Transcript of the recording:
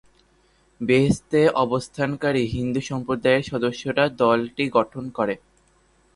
বোম্বেতে অবস্থানকারী হিন্দু সম্প্রদায়ের সদস্যরা দলটি গঠন করে।